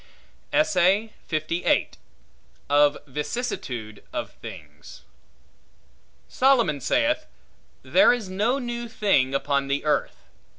Of Vicissitude Of Things SOLOMON saith, There is no new thing upon the earth.